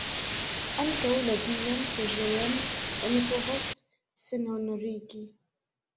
Ankaŭ la Dian preĝejon oni povas senhonorigi!